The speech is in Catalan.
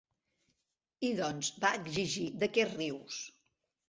"I doncs" va exigir, "de què rius?"